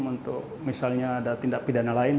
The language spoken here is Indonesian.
untuk misalnya ada tindak pidana lain